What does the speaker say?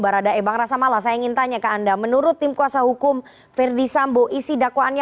barada ebang rasamala saya ingin tanya ke anda menurut tim kuasa hukum ferdisambo isi dakwaannya